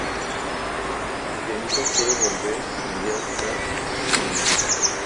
Pero Dioniso quiere volver a cambiar las ropas de inmediato.